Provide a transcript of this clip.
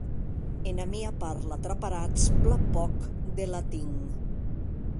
Ena mia parla traparatz plan pòc de latin.